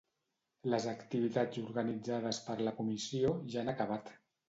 Les activitats organitzades per la comissió ja han acabat.